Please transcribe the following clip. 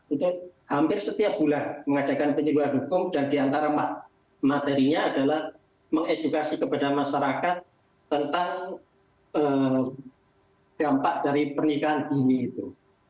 itu hampir setiap bulan mengadakan penyelidikan hukum dan di antara materinya adalah mengedukasi kepada masyarakat tentang dampak dari pernikahan dini itu